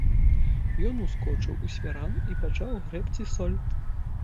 Ён ускочыў у свіран і пачаў грэбці соль.